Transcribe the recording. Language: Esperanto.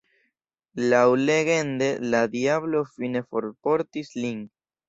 Laŭlegende la diablo fine forportis lin.